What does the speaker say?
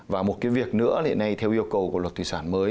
và một cái việc nữa hiện nay theo yêu cầu của luật thủy sản mới